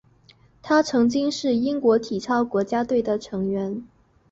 他曾经是英国体操国家队的成员。